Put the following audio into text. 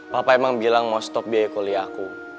papa emang bilang mau stop biaya kuliah aku